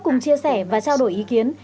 cùng chia sẻ và trao đổi ý kiến